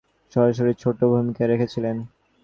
তিনি প্রতিষ্ঠানটি বানানোর কাজে সরাসরি ছোটো ভূমিকা রেখেছিলেন।